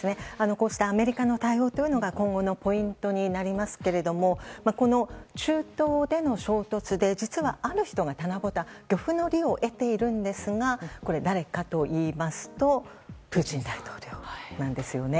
アメリカの待遇が今後のポイントになりますがこの中東での衝突で実はある人が棚ぼた、漁夫の利を得ているんですが誰かといいますとプーチン大統領なんですよね。